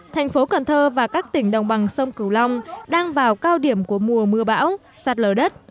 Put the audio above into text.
thành phố cần thơ và các tỉnh đồng bằng sông cửu long đang vào cao điểm của mùa mưa bão sạt lở đất